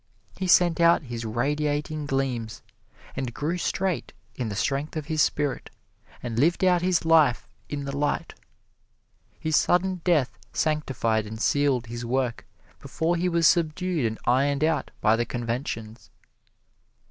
He sent out his radiating gleams, and grew straight in the strength of his spirit, and lived out his life in the light. His sudden death sanctified and sealed his work before he was subdued and ironed out by the conventions.